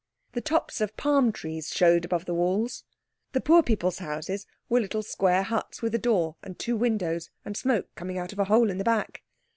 The tops of palm trees showed above the walls. The poor people's houses were little square huts with a door and two windows, and smoke coming out of a hole in the back.